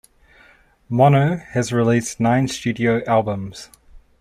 Mono has released nine studio albums.